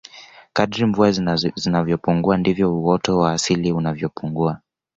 kadri mvua zinavyopungua ndivyo uoto wa asili unavyopungua